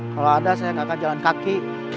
kalau ada saya gak akan jalan kaki